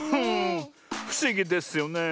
ふしぎですよね。